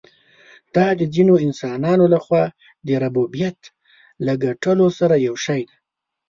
دا د ځینو انسانانو له خوا د ربوبیت له ګټلو سره یو شی دی.